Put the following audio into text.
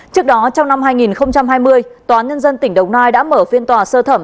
trước đó trong năm hai nghìn hai mươi tòa nhân dân tỉnh đồng nai đã mở phiên tòa sơ thẩm